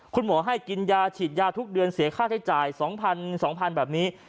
คุณหมอให้กินยาฉีดยาทุกเดือนเสียค่าใช้จ่าย๒๐๐๒๐๐แบบนี้